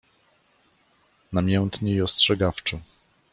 namiętnie i ostrzegawczo.